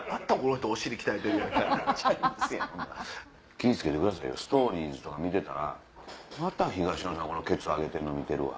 気ぃ付けてくださいよストーリーズとか見てたらまた東野さんケツ上げてるの見てるわ！